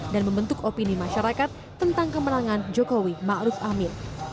dan membentuk opini masyarakat tentang kemenangan jokowi ma'ruf amir